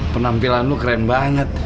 penampilan lu keren banget